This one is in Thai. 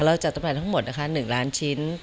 เราจะจัดตำแหน่งทั้งหมด๑ล้านชิ้น